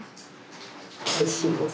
おいしいです。